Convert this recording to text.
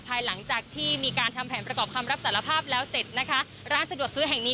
ภายหลังจากที่มีการทำแผนประกอบคำรับสารภาพแล้วเสร็จนะคะร้านสะดวกซื้อแห่งนี้